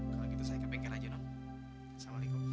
kalau gitu saya ke bengkel aja nol